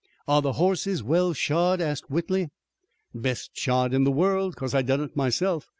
"Are the horses well shod?" asked Whitley. "Best shod in the world, 'cause I done it myself.